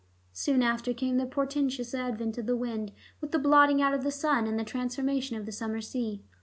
Soon after came the portentous advent of the wind, with the blotting out of the sun, and the transformation of the summer sea.